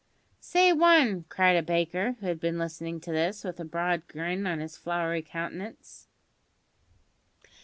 "Say one," cried a baker, who had been listening to this, with a broad grin on his floury countenance.